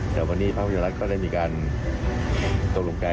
แต่วันนี้พระพัทยาลักษณ์ก็ได้มีการตรงลงใจ